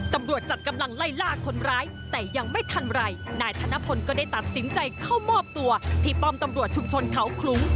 ตำรวจจัดกำลังไล่ล่าคนร้ายแต่ยังไม่ทันไรนายธนพลก็ได้ตัดสินใจเข้ามอบตัวที่ป้อมตำรวจชุมชนเขาคลุ้ง